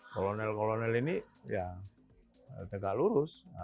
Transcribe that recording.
kolonel kolonel ini ya tegak lurus